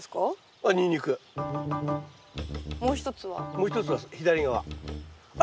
もう一つは左側。